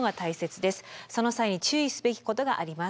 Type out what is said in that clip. その際に注意すべきことがあります。